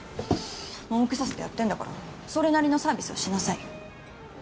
もうけさせてやってんだからそれなりのサービスをしなさいよ